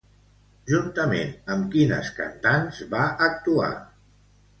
Juntament amb quines cantants va actuar?